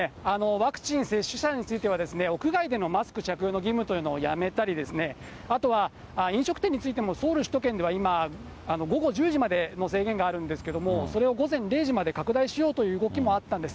ワクチン接種者については、屋外でのマスク着用の義務というのをやめたりですね、あとは飲食店についてもソウル首都圏では、今、午後１０時までの制限があるんですけれども、それを午前０時まで拡大しようという動きもあったんです。